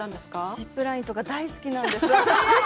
ジップラインとか、大好きなんです。